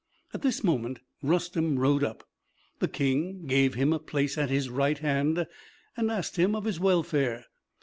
At this moment Rustem rode up. The King gave him a place at his right hand, and asked him of his welfare.